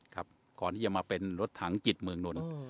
ก่อนที่จะมาเป็นรถถังจิตเมืองนนท์